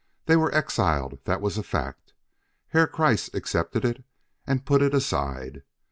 They were exiled that was a fact; Herr Kreiss accepted it and put it aside.